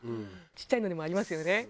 ちっちゃいのでもありますよね。